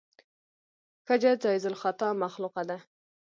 ښځه جایز الخطا مخلوقه ده.